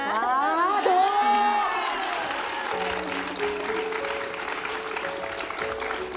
อ๋อถูก